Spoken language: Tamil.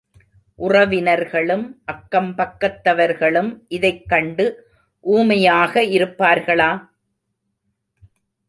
உறவினர்களும் அக்கம் பக்கத்தவர்களும் இதைக் கண்டு ஊமையாக இருப்பார்களா?